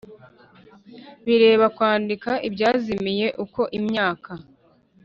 Bireba kwandika ibyazimiye uko imyaka